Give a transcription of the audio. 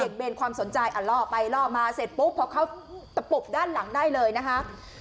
เบนความสนใจอ่ะล่อไปล่อมาเสร็จปุ๊บพอเขาตะปุบด้านหลังได้เลยนะคะ